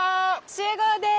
集合です！